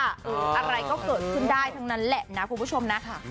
อะไรก็เกิดขึ้นได้ทั้งนั้นแหละนะคุณผู้ชมนะ